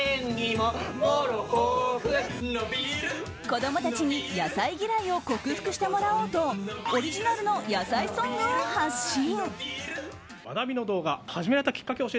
子供たちに野菜嫌いを克服してもらおうとオリジナルの野菜ソングを発信。